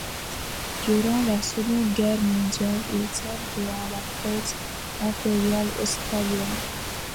Durant la Seconde Guerre mondiale, il sert dans la Force impériale australienne.